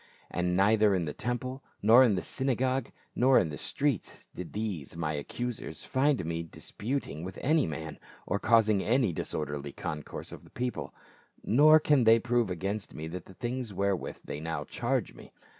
And neither in the temple, nor in the synagogues, nor in the streets, did these my accusers find me disputing with any man, or causing any disorderly concourse of people ; nor can they prove against me the things wherewith they now charge me.